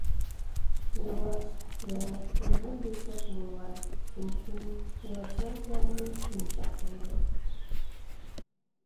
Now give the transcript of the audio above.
ياۋاش ۋە ئېغىر - بېسىق بولغاي، چۈنكى ياۋاشنىڭ كۆڭلى يۇمشاق بولۇر.